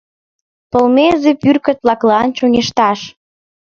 Полмезе пӱркыт-влаклан — чоҥешташ!